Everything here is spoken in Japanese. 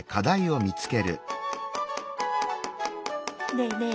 ねえねえ